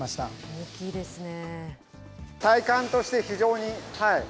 大きいですね。